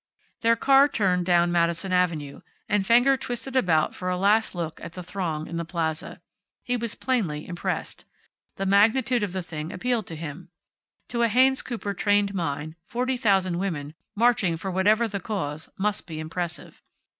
Their car turned down Madison Avenue, and Fenger twisted about for a last look at the throng in the plaza. He was plainly impressed. The magnitude of the thing appealed to him. To a Haynes Cooper trained mind, forty thousand women, marching for whatever the cause, must be impressive.